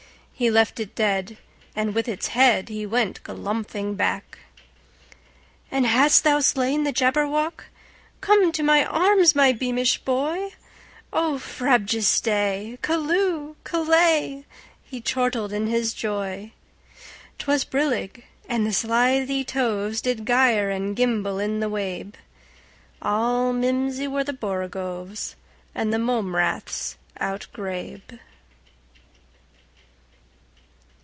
He left it dead, and with its headHe went galumphing back."And hast thou slain the Jabberwock? Come to my arms, my beamish boy!O frabjous day! Callooh! Callay!"He chortled in his joy.'T was brillig, and the slithy tovesDid gyre and gimble in the wabe; All mimsy were the borogoves, And the mome raths outgrabe.